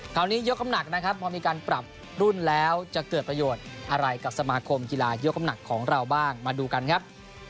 ยกคำหนักนะครับพอมีการปรับรุ่นแล้วจะเกิดประโยชน์อะไรกับสมาคมกีฬายกน้ำหนักของเราบ้างมาดูกันครับ